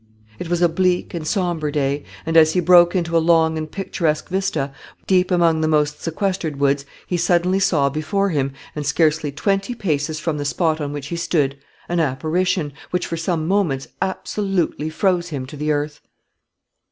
It was a bleak and somber day, and as he broke into a long and picturesque vista, deep among the most sequestered woods, he suddenly saw before him, and scarcely twenty paces from the spot on which he stood, an apparition, which for some moments absolutely froze him to the earth.